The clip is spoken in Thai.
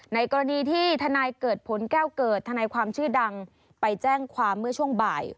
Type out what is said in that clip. ในกรณีที่ทนายเกิดผลแก้วเกิดทนายความชื่อดังไปแจ้งความเมื่อช่วงบ่าย